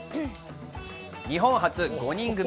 日本初５人組